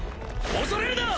恐れるな！